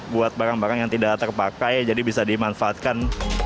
buat barang barang yang tidak terpakai jadi bisa dimanfaatkan